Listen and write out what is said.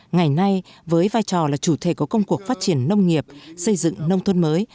ngày nay với vai trò là chủ thể của công cuộc phát triển nông nghiệp xây dựng nông thôn mới